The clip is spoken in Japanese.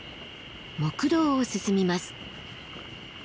木道を進みます。